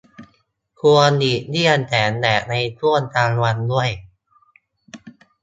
ควรหลีกเลี่ยงแสงแดดในช่วงกลางวันด้วย